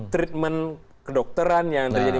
treatment kedokteran yang terjadi